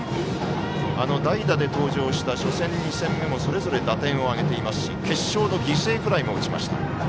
代打で登場した初戦、２戦目もそれぞれ打点を挙げていますし決勝の犠牲フライも打ちました。